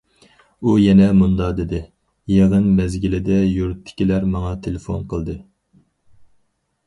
ئۇ يەنە مۇندا دېدى: يىغىن مەزگىلىدە يۇرتتىكىلەر ماڭا تېلېفون قىلدى.